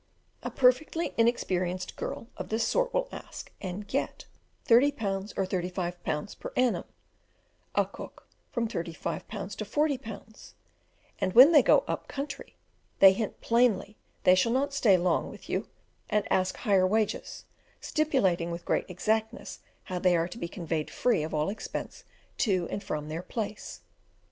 A perfectly inexperienced girl of this sort will ask, and get, 30 pounds or 35 pounds per annum, a cook from 35 pounds to 40 pounds; and when they go "up country," they hint plainly they shall not stay long with you, and ask higher wages, stipulating with great exactness how they are to be conveyed free of all expense to and from their place.